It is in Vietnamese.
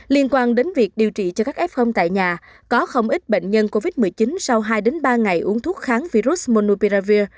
liên quan đến việc điều trị cho các f tại nhà có không ít bệnh nhân covid một mươi chín sau hai ba ngày uống thuốc kháng virus monophiravir